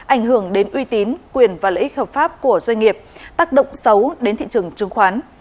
ảnh hưởng đến uy tín quyền và lợi ích hợp pháp của doanh nghiệp tác động xấu đến thị trường chứng khoán